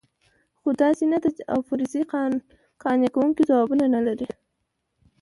خو داسې نه ده او فرضیې قانع کوونکي ځوابونه نه لري.